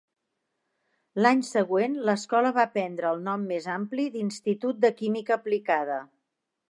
L’any següent, l’escola va prendre el nom més ampli d’Institut de Química Aplicada.